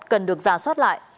cần được ra soát lại